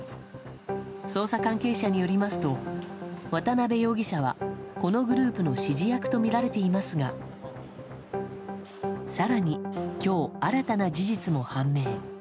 捜査関係者によりますと渡辺容疑者はこのグループの指示役とみられていますが更に、今日新たな事実も判明。